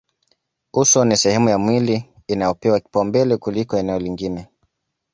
Uso ni sehemu ya mwili inayopewa kipaumbele kuliko eneo lingine